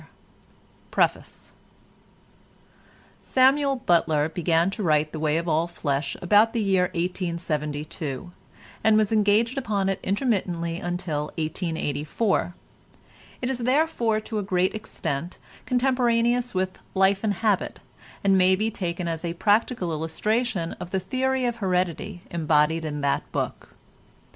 28 PREFACE Samuel Butler began to write "The Way of All Flesh" about the year 1872, and was engaged upon it intermittently until 1884. It is therefore, to a great extent, contemporaneous with "Life and Habit," and may be taken as a practical illustration of the theory of heredity embodied in that book.